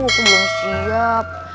aku belum siap